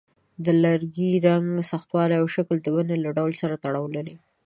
د لرګي رنګ، سختوالی، او شکل د ونې له ډول سره تړاو لري.